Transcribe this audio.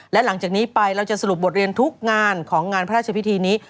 และหลังจากนี้ไปเราจะสรุปบทเรียนทุกงานของงานพระราชพิธีนี้